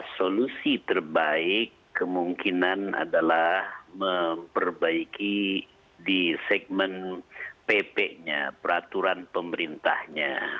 solusi terbaik kemungkinan adalah memperbaiki di segmen pp nya peraturan pemerintahnya